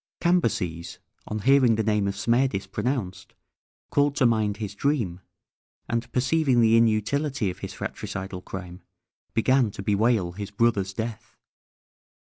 Cambyses, on hearing the name of Smerdis pronounced, called to mind his dream, and perceiving the inutility of his fratricidal crime, began to bewail his brother's death.